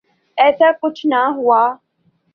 ایسا کچھ نہ ہوا۔